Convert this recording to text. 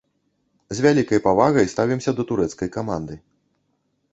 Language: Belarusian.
З вялікай павагай ставімся да турэцкай каманды.